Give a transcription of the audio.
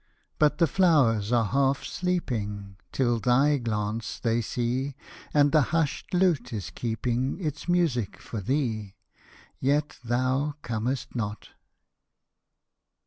But the flowers are half sleeping Till thy glance they see ; And the hushed lute is keeping Its music for thee. Yet, thou comest not